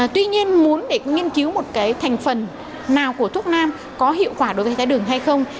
tuy nhiên muốn để nghiên cứu một cái thành phần nào của thuốc nam có hiệu quả đối với trái đường hay không